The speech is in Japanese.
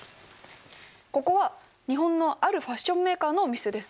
ここは日本のあるファッションメーカーのお店です。